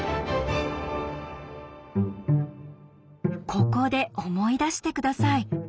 ここで思い出して下さい。